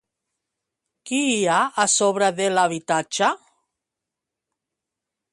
Qui hi ha a sobre de l'habitatge?